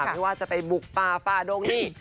ไม่ว่าจะไปบุกป่าฝ่าดงนี่